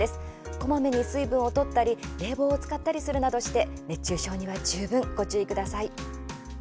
こまめに水分をとったり冷房を使ったりするなどして熱中症には十分ご注意ください。